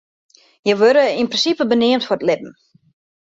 Hja wurde yn prinsipe beneamd foar it libben.